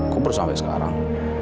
kok berusaha sampai sekarang